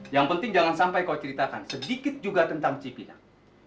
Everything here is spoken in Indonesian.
yang penting jangan sampai kau ceritakan sedikit juga tentang cipinang